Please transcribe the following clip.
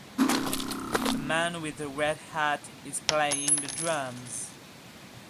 A man with a red hat is playing the drums.